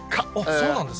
そうなんですか。